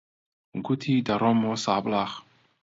گوتی دەڕۆمەوە سابڵاغ.